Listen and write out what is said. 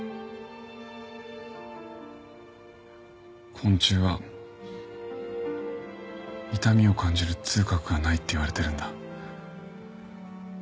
昆虫は痛みを感じる痛覚がないっていわれてるんだ。